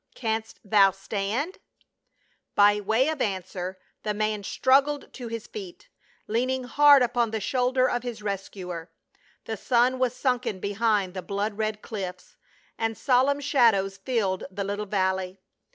Canst thou stand?" By way of answer, the man struggled to his feet, leaning hard upon the shoulder of his rescuer. The sun was sunken behind the blood red cliffs, and solemn shadows filled the little valley.